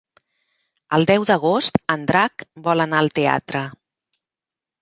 El deu d'agost en Drac vol anar al teatre.